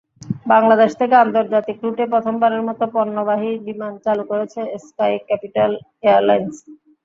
বাংলাদেশ থেকে আন্তর্জাতিক রুটে প্রথমবারের মতো পণ্যবাহী বিমান চালু করেছে স্কাই ক্যাপিটাল এয়ারলাইনস।